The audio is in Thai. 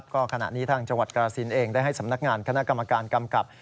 ก็ขณะนี้ทางจังหวัดกรสินเองได้ให้สำนักงานคณะกรรมการกำกับ